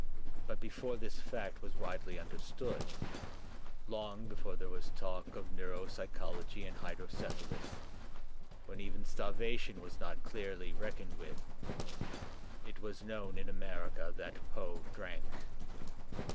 But before this fact was widely understood, long before there was talk of neuropsychology and hydrocephalus, when even starvation was not clearly reckoned with, it was known in America that Poe drank.